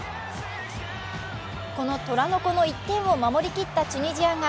この虎の子の１点を守りきったチュニジアが